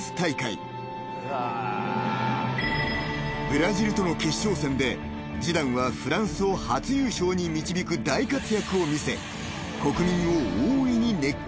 ［ブラジルとの決勝戦でジダンはフランスを初優勝に導く大活躍を見せ］